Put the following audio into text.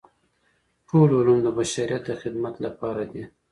ټول علوم د بشريت د خدمت لپاره دي.